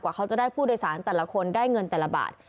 เขาจะได้ผู้โดยสารแต่ละคนได้เงินแต่ละบาท